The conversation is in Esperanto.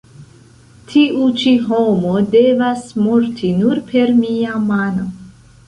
Tiu ĉi homo devas morti nur per mia mano.